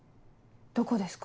どこですか？